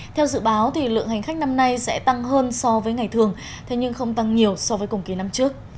theo dự báo lượng hành khách năm nay sẽ tăng hơn so với ngày thường thế nhưng không tăng nhiều so với cùng kỳ năm trước